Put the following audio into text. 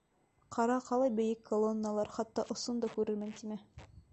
Ҡара, ҡалай бейек колонналар, хатта осон да күрермен тимә.